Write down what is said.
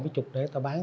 mía chục để ta bán